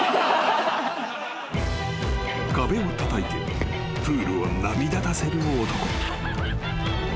［壁をたたいてプールを波立たせる男］